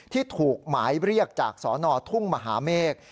ที่ถูกหมายเรียกจากสนทุ่งมหาเมฆ